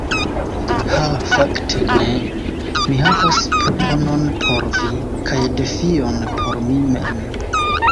Ha fakte ne! Mi havas proponon por vi, kaj defion por mi mem.